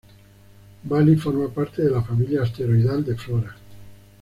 Bali forma parte de la familia asteroidal de Flora.